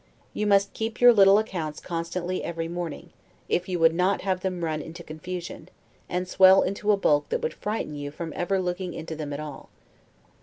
You must keep your little accounts constantly every morning, if you would not have them run into confusion, and swell to a bulk that would frighten you from ever looking into them at all.